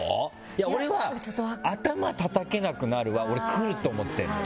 俺は頭たたけなくなるは来ると思ってるの。